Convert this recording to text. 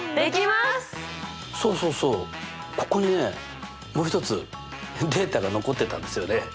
そうそうそうここにねもう一つデータが残ってたんですよね。